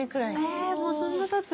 えもうそんなたつんだ。